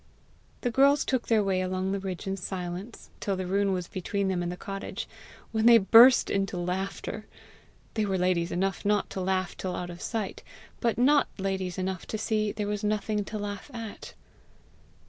The girls took their way along the ridge in silence, till the ruin was between them and the cottage, when they burst into laughter. They were ladies enough not to laugh till out of sight, but not ladies enough to see there was nothing to laugh at.